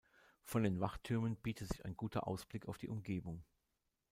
Von den Wachtürmen bietet sich ein guter Ausblick auf die Umgebung.